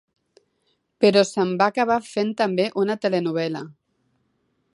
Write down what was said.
Però se'n va acabar fent també una telenovel·la.